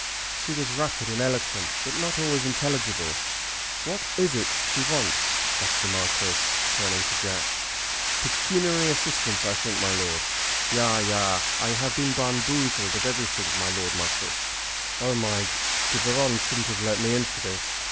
She was rapid and eloquent, but not always intelligible. "What is it she wants?" asked the Marquis, turning to Jack. "Pecuniary assistance, I think, my Lord." "Yah, yah. I have been bamboozled of everything, my Lord Marquis." "Oh, my G , De Baron shouldn't have let me in for this.